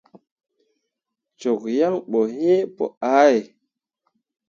Cok yan bo yiŋ pu ʼahe.